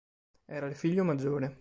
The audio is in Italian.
Era il figlio maggiore.